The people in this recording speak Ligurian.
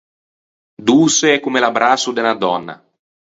Doçe comme l’abbrasso de unna dònna.